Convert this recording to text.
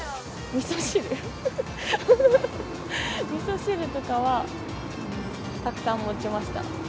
みそ汁とかはたくさん持ちました。